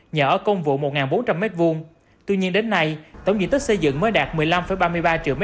nhà ở công vụ một bốn trăm linh m hai tuy nhiên đến nay tổng diện tích xây dựng mới đạt một mươi năm ba mươi ba triệu m hai